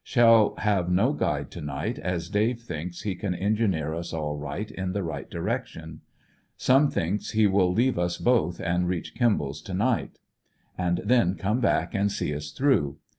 Shall have no guide to night, as Dave thinks he can engineer us all right in the right direction. Some thinks he will leave us both and reach Kimball's to night, and then come back and see us through.